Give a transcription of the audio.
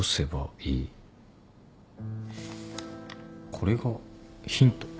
これがヒント。